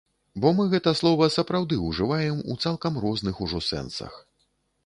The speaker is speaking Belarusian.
Бо мы гэта слова сапраўды ўжываем у цалкам розных ужо сэнсах.